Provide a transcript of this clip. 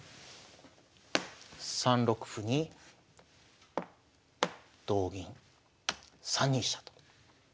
３六歩に同銀３二飛車と。